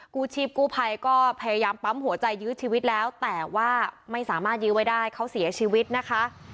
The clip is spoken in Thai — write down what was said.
กู้ชีพกู้ภัยก็พยายามปั๊มหัวใจยื้อชีวิตแล้วแต่ว่าไม่สามารถยื้อไว้ได้เขาเสียชีวิตนะคะ